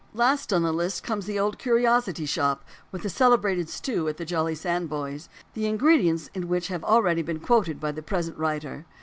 Last on the list comes The Old Curiosity Shop, with the celebrated stew at the "Jolly Sandboys," the ingredients in which have already been quoted by the present writer.